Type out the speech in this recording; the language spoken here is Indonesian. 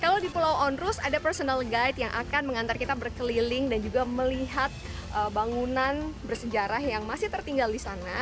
kalau di pulau onrus ada personal guide yang akan mengantar kita berkeliling dan juga melihat bangunan bersejarah yang masih tertinggal di sana